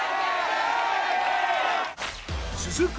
続く